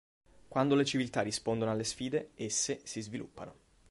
Quando le civiltà rispondono alle sfide, esse si sviluppano.